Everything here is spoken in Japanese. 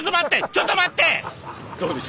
ちょっと待って！